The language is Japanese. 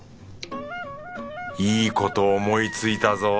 いいことを思いついたぞ。